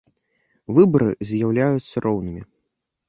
Выбары з’яўляюцца роўнымі.